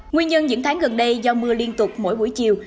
nguyên nhân những tháng gần đây do mưa liên tục mỗi buổi chiều